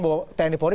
bahwa tni paul ri